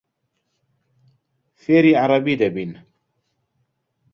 فێری عەرەبی دەبین.